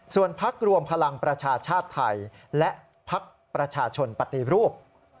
ส่วนพักรวมพลังประชาชาติไทยและพักประชาชนปฏิรูป